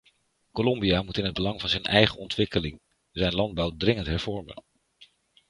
Colombia moet in het belang van zijn eigen ontwikkeling zijn landbouw dringend hervormen.